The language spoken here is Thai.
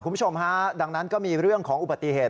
คุณผู้ชมฮะดังนั้นก็มีเรื่องของอุบัติเหตุ